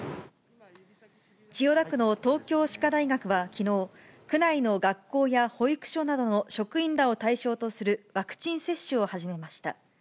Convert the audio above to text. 千代田区の東京歯科大学はきのう、区内の学校や保育所などの職員らを対象とするワクチン接種を始めました。